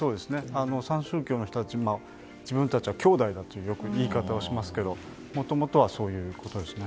３宗教の人たち自分たちはきょうだいだとよく言い方をしますけどもともとはそういうことですね。